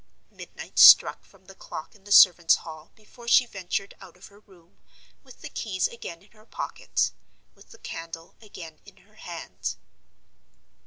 Midnight struck from the clock in the servants' hall before she ventured out of her room, with the keys again in her pocket, with the candle again in her hand.